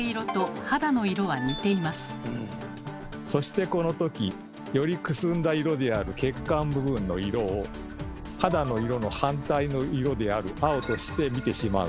そしてこの時よりくすんだ色である血管部分の色を腕の色の反対の色である青として見てしまうのです。